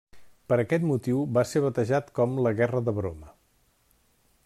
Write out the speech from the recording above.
Per aquest motiu, va ser batejat com la Guerra de broma.